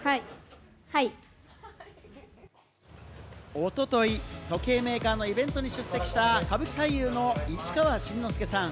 一昨日、時計メーカーのイベントに出席した歌舞伎俳優の市川新之助さん。